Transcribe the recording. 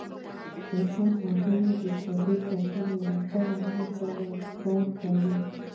د انسان غوږونه د تعادل ساتلو لپاره هم کار کوي.